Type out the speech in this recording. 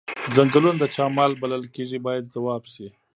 څنګلونه د چا مال بلل کیږي باید ځواب شي.